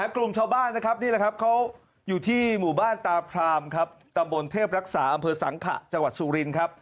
กลุ่มชาวบ้านอยู่ที่หมู่บ้านตาพรามตำบลเทพรักษาอำเภอสังขจังหวัดสูริน